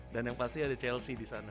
dan yang pasti ada chelsea di sana